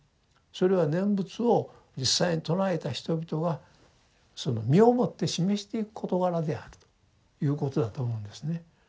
それは念仏を実際に称えた人々がその身をもって示していく事柄であるということだと思うんですね。